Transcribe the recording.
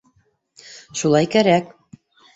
Шулай кәрәк.